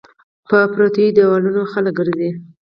په پريوتو ديوالونو خلک ګرځى